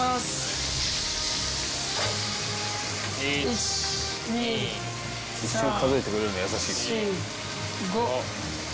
「一緒に数えてくれるの優しい」５。